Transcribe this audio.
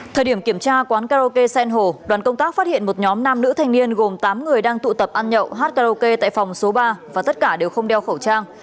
thời điểm kiểm tra quán karaoke sen hồ đoàn công tác phát hiện một nhóm nam nữ thanh niên gồm tám người đang tụ tập ăn nhậu hát karaoke tại phòng số ba và tất cả đều không đeo khẩu trang